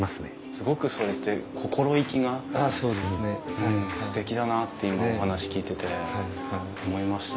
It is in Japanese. すごくそれって心意気がすてきだなって今お話聞いてて思いました。